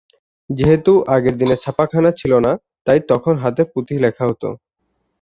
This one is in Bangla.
যেহেতু আগের দিনে ছাপাখানা ছিল না, তাই তখন হাতে পুঁথি লেখা হতো।